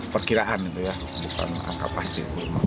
perkiraan itu ya bukan angka pasti